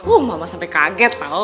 uh mama sampai kaget tau